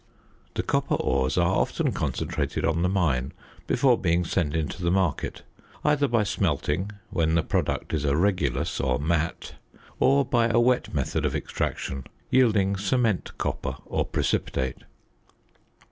The copper ores are often concentrated on the mine before being sent into the market, either by smelting, when the product is a regulus or matte, or by a wet method of extraction, yielding cement copper or precipitate.